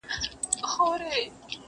معشوقې په بې صبري کي کله چا میندلي دینه!.